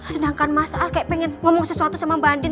sedangkan mas a kayak pengen ngomong sesuatu sama mbak andin